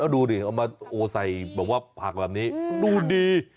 ดูดิเอามาใส่แบบว่าผักแบบนี้ดูดี